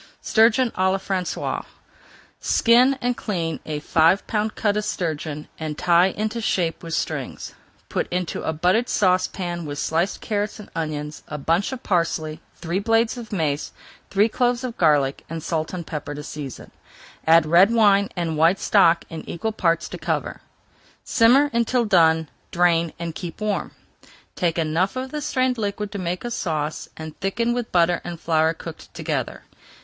STURGEON À LA FRANÇAISE Skin and clean a five pound cut of sturgeon, and tie into shape with strings. Put into a buttered saucepan with sliced carrots and onions, a bunch of parsley, three blades of mace, three cloves [Page 406] of garlic, and salt and pepper to season. Add red wine and white stock in equal parts to cover. Simmer until done, drain, and keep warm. Take enough of the strained liquid to make a sauce, and thicken with butter and flour cooked together.